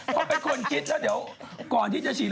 เขาคงคิดว่าก่อนมีฉีด